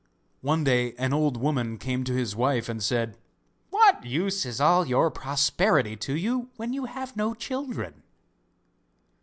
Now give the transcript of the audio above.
One day an old woman came to his wife and said: 'What use is all your prosperity to you when you have no children?